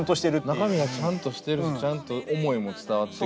中身がちゃんとしてるしちゃんと思いも伝わってくるし。